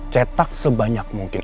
cetak sebanyak mungkin